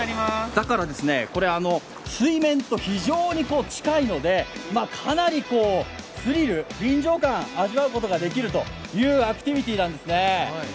だから水面と非常に近いのでかなりスリル、臨場感を味わうことができるアクティビティーなんですね。